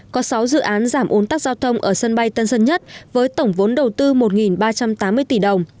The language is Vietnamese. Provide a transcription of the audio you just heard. có sáu dự án giảm ồn tắc giao thông ở sân bay tân sơn nhất với tổng vốn đầu tư một ba trăm tám mươi tỷ đồng